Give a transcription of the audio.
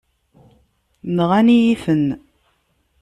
Nɣan-iyi-ten.